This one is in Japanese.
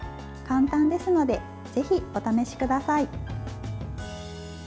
簡単ですのでぜひお試しください。